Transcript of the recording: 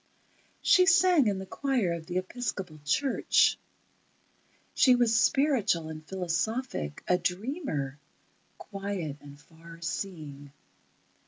She sang in the choir of the Episcopal Church. She was spiritual and philosophic, a dreamer, quiet and far seeing.